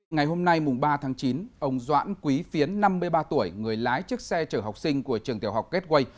ngày hôm nay mùng ba tháng chín ông doãn quý phiến năm mươi ba tuổi người lái chiếc xe chở học sinh của trường tiểu học gateway